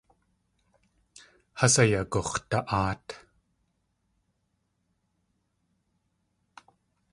Has ayagux̲da.áat.